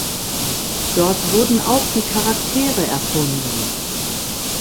Dort wurden auch die Charaktere erfunden.